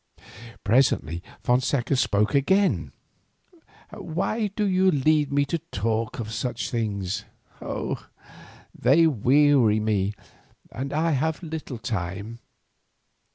Presently Fonseca spoke again. "Why do you lead me to talk of such things? They weary me and I have little time.